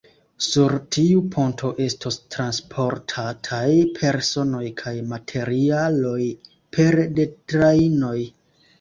Sur tiu ponto estos transportataj personoj kaj materialoj pere de trajnoj.